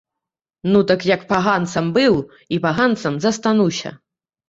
Ну так я паганцам быў і паганцам застануся!